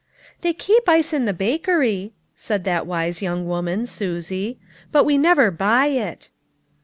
"They keep ice at the bakery," said that wise young woman, Susie, "but we never buy it."